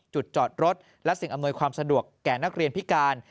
จุดจอดรถและสิ่งอำนวยความสะดวกแก่นักเรียนพิการ